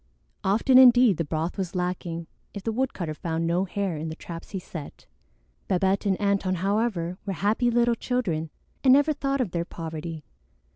Often indeed the broth was lacking if the woodcutter found no hare in the traps he set. Babette and Antone, however, were happy little children and never thought of their poverty.